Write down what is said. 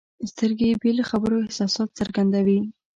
سترګې بې له خبرو احساسات څرګندوي.